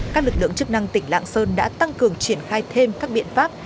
các lực lượng chức năng tỉnh lạng sơn đã tăng cường triển khai thêm các biện pháp